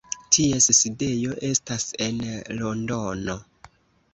Ties sidejo estas en Londono.